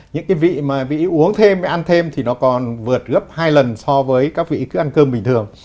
những cái vị mà bị uống thêm ăn thêm thì nó còn vượt gấp hai lần so với các vị cứ ăn cơm bình thường